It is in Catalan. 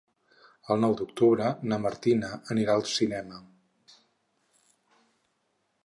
El nou d'octubre na Martina anirà al cinema.